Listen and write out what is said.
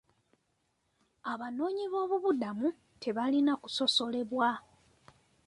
Abanoonyiboobubudamu tebalina kusosolebwa.